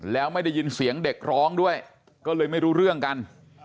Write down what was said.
แล้วไม่ได้ยินเสียงเด็กร้องด้วยก็เลยไม่รู้เรื่องกัน